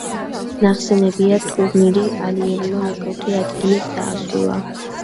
ნახსენები ტურნირი ალიევმა მეხუთე ადგილით დაასრულა.